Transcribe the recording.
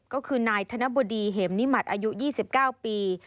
ก็คือนายธนบดีเหมนิมัติอายุ๒๙ปี